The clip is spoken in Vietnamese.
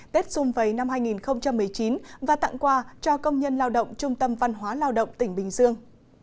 tết dung vầy năm hai nghìn một mươi chín và tặng quà cho công nhân lao động trung tâm văn hóa lao động tỉnh bình dương